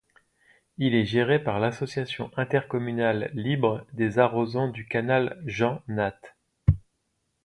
Il est géré par l'Association intercommunale libre des arrosants du canal Jean Natte.